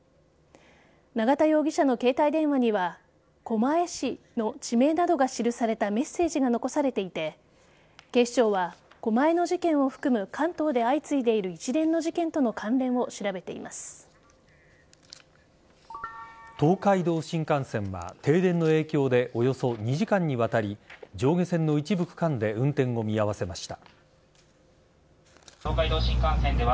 永田容疑者の携帯電話には狛江市の地名などが記されたメッセージが残されていて警視庁は狛江の事件を含む関東で相次いでいる一連の事件との関連を東海道新幹線は停電の影響でおよそ２時間にわたり上下線の一部区間で運転を見合わせました。